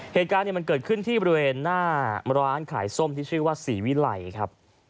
เหตุการณ์มันเกิดขึ้นที่บริเวณหน้าร้านขายส้มที่ชื่อว่าศรีวิไลครับ